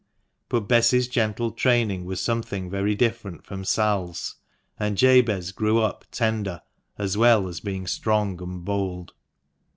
But Bess's gentle training was something very different from Sal's, and Jabez grew up tender as well as strong and bold.